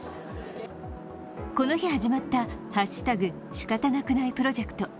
この日始まった「＃しかたなくない」プロジェクト。